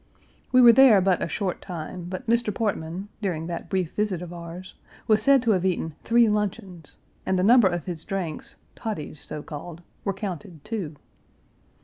We were there but a short time, but Mr. Portman, during that brief visit of ours, was said to have eaten three luncheons, and the number of his drinks, toddies, so called, were counted, too.